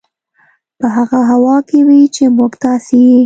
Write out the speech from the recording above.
په هغه هوا کې وي چې موږ تاسې یې